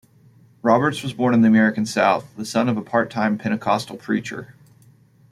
Roberts was born in the American South, the son of a part-time Pentecostal preacher.